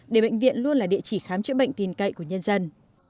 để bệnh viện luôn là địa chỉ khám chữa bệnh tin cậy của nhân dân